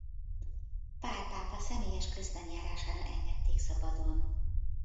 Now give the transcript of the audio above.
Pál pápa személyes közbenjárására engedték szabadon.